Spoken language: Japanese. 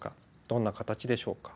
どんな形でしょうか。